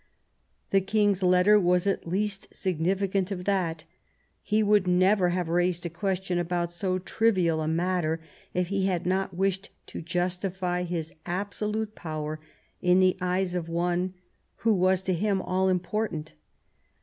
The king's letter was at least significant of that : he would never have raised a question about so trivial a ^tter if he had not wished to justify his absolute power m the eyes of one who was to him all important.